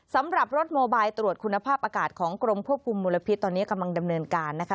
สำหรับรถโมบายตรวจคุณภาพอากาศของกรมควบคุมมลพิษตอนนี้กำลังดำเนินการนะคะ